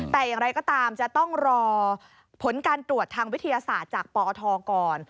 แต่อย่างไรก็ตามจะต้องรอผลการตรวจทางวิทยาศาสตร์จากปอทก่อน